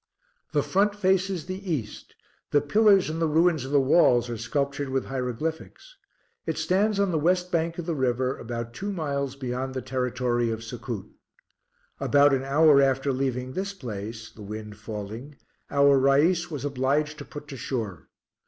The front faces the East; the pillars and the ruins of the walls are sculptured with hieroglyphics. It stands on the west bank of the river about two miles beyond the territory of Succoot. About an hour after leaving this place, the wind falling, our Rais was obliged to put to shore.